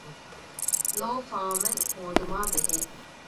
ލޯފާމެއް ހޯދުމާ ބެހޭ